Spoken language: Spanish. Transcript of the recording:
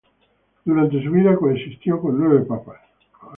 Durante su vida, coexistió con nueve papas.